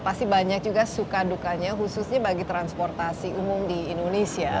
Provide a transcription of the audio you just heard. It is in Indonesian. pasti banyak juga suka dukanya khususnya bagi transportasi umum di indonesia